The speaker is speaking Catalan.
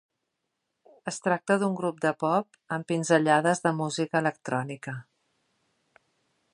Es tracta d'un grup de pop amb pinzellades de música electrònica.